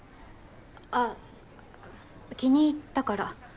あっ気に入ったから。